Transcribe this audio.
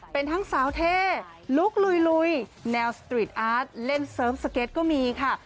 เป็นทั้งสาวเท่ลุคลุยแนวสตรีทอาร์ตเล่นเสริมสเก็ตก็มีค่ะ